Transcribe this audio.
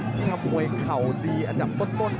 ที่ทำมวยเข่าดีอันดับต้น